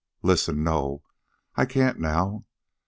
Listen no, I can't now.